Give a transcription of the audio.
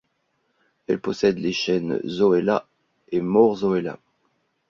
Elle possède les chaînes Zoella et moreZoella.